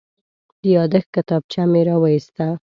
د یادښت کتابچه مې راوویسته.